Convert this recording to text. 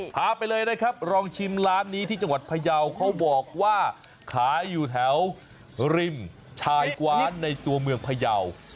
พาไปเลยนะครับลองชิมร้านนี้ที่จังหวัดพยาวเขาบอกว่าขายอยู่แถวริมชายกว้านในตัวเมืองพยาว